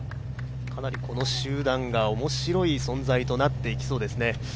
かなりこの集団が面白い存在となっていきそうですね。